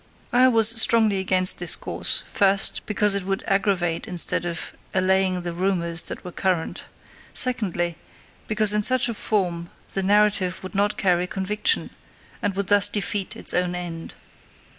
I was strongly against this course, first, because it would aggravate instead of allaying the rumours that were current; secondly, because in such a form the narrative would not carry conviction, and would thus defeat its own end.